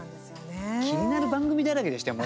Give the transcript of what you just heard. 気になる番組だらけでしたよ